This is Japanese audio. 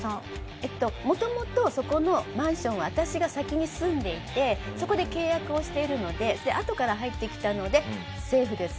えっと元々そこのマンションは私が先に住んでいてそこで契約をしているのでであとから入ってきたのでセーフです。